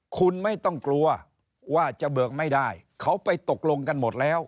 คุณไม่ต้องกลัวว่าจะเบิกไม่ได้เขาไปตกลงกันหมดแล้ว